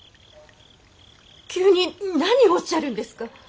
急に何をおっしゃるんですか。